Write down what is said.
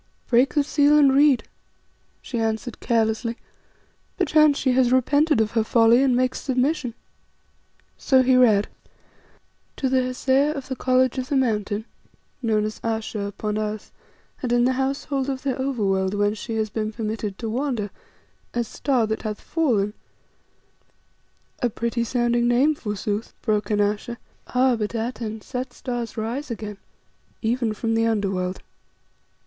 "Break the seal and read," she answered carelessly. "Perchance she has repented of her folly and makes submission." So he read "To the Hesea of the College on the Mountain, known as Ayesha upon earth, and in the household of the Over world whence she has been permitted to wander, as 'Star that hath fallen '" "A pretty sounding name, forsooth," broke in Ayesha; "ah! but, Atene, set stars rise again even from the Under world.